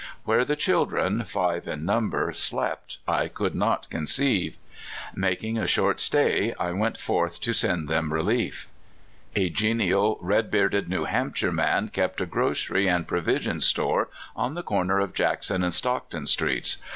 Where the children, five in number slept I could not conceive. jNFaking a short stay ilh Cahfornia Traits, I went forth to send tliem relief. A genial, reJ bearded Kew Hampshire man kept a grocery and provision store on the corner of Jackson and Stock ton streets.